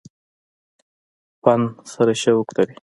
فن سره شوق لري ۔